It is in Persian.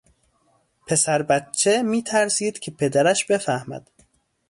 پسر بچه میترسید که پدرش بفهمد